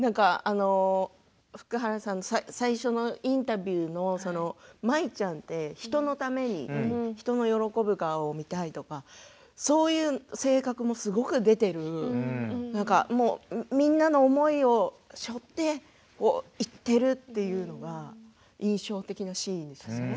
福原さんの最初のインタビューの舞ちゃんって人のために人の喜ぶ顔を見たいとかそういう性格もすごく出ているみんなの思いをしょっていっているというのが印象的なシーンでしたね。